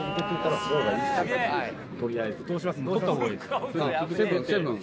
取りあえず。